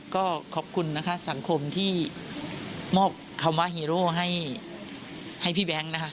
ก็ขอบคุณนะคะสังคมที่มอบคำว่าฮีโร่ให้พี่แบงค์นะคะ